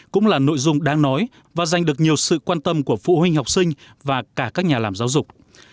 cũng là nội dung đáng nói và giành được nhiều sự quan tâm của phụ huynh học sinh và cả các nhà làm giáo dục